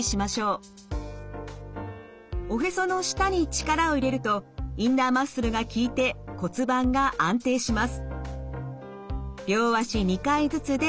おへその下に力を入れるとインナーマッスルがきいて骨盤が安定します。